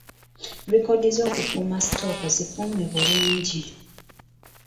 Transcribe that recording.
Likodi z’okukuuma sitooka zikuume bulungi.